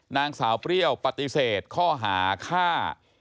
นางสาวเปรี้ยวปฏิเสธข้อหาฆ่า